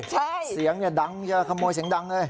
ใช่เสียงเนี่ยดังจะขโมยเสียงดังเลย